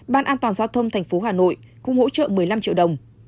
ban an toàn giao thông tp hà nội cũng hỗ trợ một mươi năm triệu đồng